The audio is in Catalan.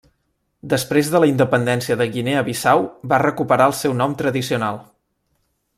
Després de la independència de Guinea Bissau va recuperar el seu nom tradicional.